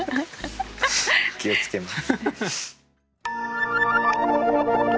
気を付けます。